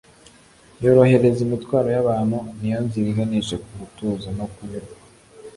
Yorohereza imitwaro yabantu. Ni yo nzira iganisha ku gutuza no kunyurwa. ”